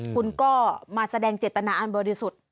คุณก็มาแสดงเจตนาอันบริสุทธิ์